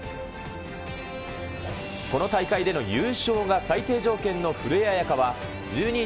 この大会での優勝が最低条件の古江彩佳は１２位